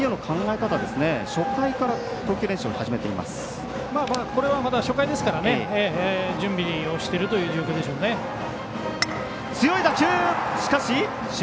これは初回ですから準備をしている状況でしょうね。